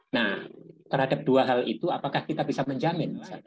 nah terhadap dua hal itu apakah kita bisa menjamin